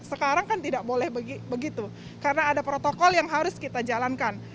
sekarang kan tidak boleh begitu karena ada protokol yang harus kita jalankan